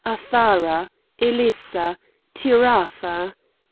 Athara! Elissa! Tiratha!